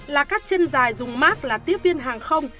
là các chân dài dùng mát là tiếp viên hàng không